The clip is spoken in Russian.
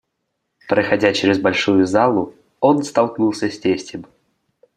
Проходя через большую залу, он столкнулся с тестем.